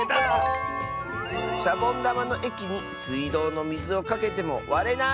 「シャボンだまのえきにすいどうのみずをかけてもわれない！」。